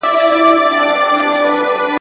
پرېږده چي لمبې پر نزله بلي کړي `